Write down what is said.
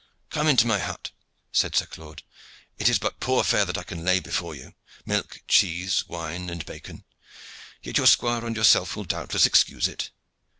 "Come into my hut," said Sir Claude. "It is but poor fare that I can lay before you milk, cheese, wine, and bacon yet your squire and yourself will doubtless excuse it.